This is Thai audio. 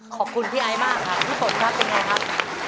ขอบคุณพี่ไอ้มากครับพี่ฝนครับเป็นไงครับ